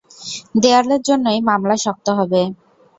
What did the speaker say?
দেয়ালের জন্যই, মামলা শক্ত হবে।